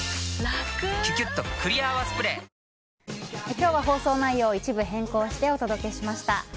今日は放送内容を一部変更してお届けしました。